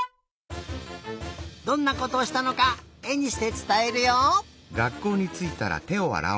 どんなことをしたのかえにしてつたえるよ。